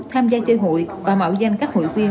tham gia chơi hụi và mạo danh các hội viên